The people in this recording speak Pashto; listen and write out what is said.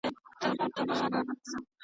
ملنګه ! د رباب ژړي د کله ﺯړه را کنې .